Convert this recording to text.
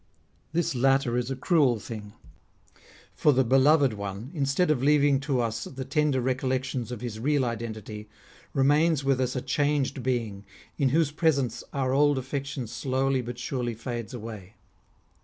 This latter is a cruel thing ; for the PHILIP OTTONIERI. 125 beloved one, instead of leaving to us the tender recollec tions of his real identity, remains with us a changed being, in whose presence our old affection slowly but surely fades away.